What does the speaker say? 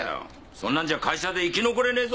そんなんじゃ会社で生き残れねえぞ。